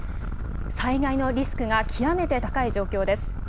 災害のリスクが極めて高い状況です。